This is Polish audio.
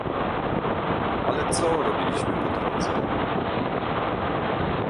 Ale co robiliśmy po drodze?